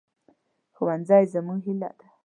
ښوونځی زموږ هیله ده